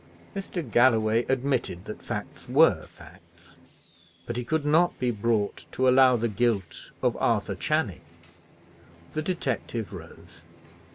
Mr. Galloway admitted that facts were facts, but he could not be brought to allow the guilt of Arthur Channing. The detective rose.